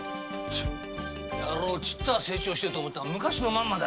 あのやろうちっとは成長してると思ったけど昔のまんまだ。